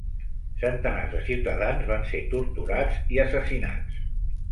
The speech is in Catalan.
Centenars de ciutadans van ser torturats i assassinats.